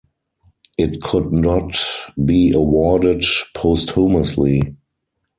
It could not be awarded posthumously.